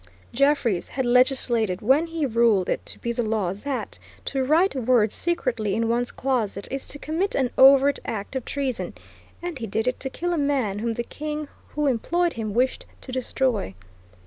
Jeffreys had legislated when he ruled it to be the law that, to write words secretly in one's closet, is to commit an overt act of treason, and he did it to kill a man whom the king who employed him wished to destroy.